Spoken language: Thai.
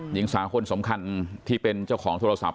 หญิงสาวคนสำคัญที่เป็นเจ้าของโทรศัพท์